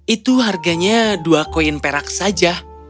itu harganya dua koin perak saja